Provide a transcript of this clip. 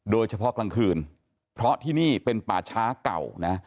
โดยเฉพาะกลางคืนเพราะที่นี่เป็นป่าช้าเก่านะ